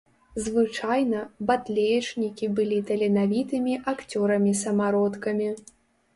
Звычайна, батлеечнікі былі таленавітымі акцёрамі-самародкамі.